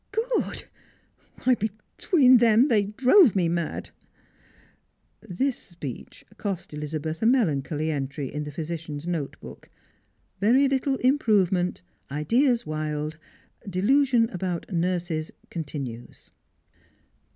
Gcod ! Why, between them they drove me mad !" This speech cost EHzabeth a melancholy entry in the physi cian's note book: "Very little improvement; ideas wild, delu sion about nurses continues."